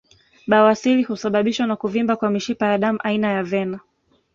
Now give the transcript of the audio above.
Bawasiri husababishwa na kuvimba kwa mishipa ya damu aina ya vena